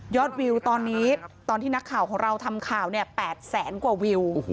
วิวตอนนี้ตอนที่นักข่าวของเราทำข่าว๘แสนกว่าวิว